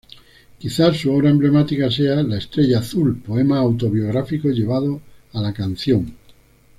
Quizás su obra emblemática sea "La estrella azul", poema autobiográfico llevado a la canción.